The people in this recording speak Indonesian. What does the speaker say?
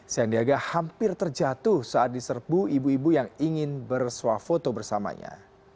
sandiaga hampir terjatuh saat diserbu ibu ibu yang ingin bersuah foto bersamanya